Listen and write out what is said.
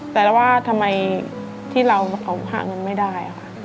แต่เราว่าทำไมที่เราหาเงินไม่ได้ค่ะ